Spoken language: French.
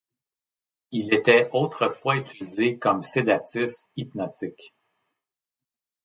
Il était autrefois utilisé comme sédatif-hypnotique.